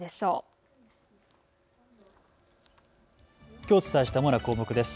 きょうお伝えした主な項目です。